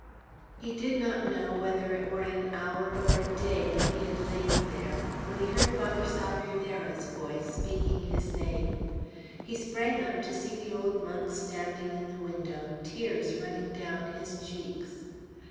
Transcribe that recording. He did not know whether it were an hour or a day that he had lain there, when he heard Father Salvierderra's voice speaking his name. He sprang up, to see the old monk standing in the window, tears running down his cheeks.